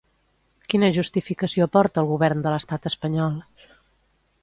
Quina justificació aporta el govern de l'estat espanyol?